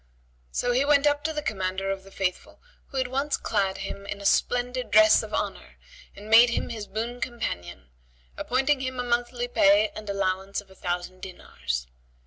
So he went up to the Commander of the Faithful, who at once clad him in a splendid dress of honour and made him his boon companion; appointing him a monthly pay and allowance of a thousand dinars.